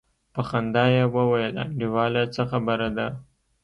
په خندا يې وويل انډيواله څه خبره ده.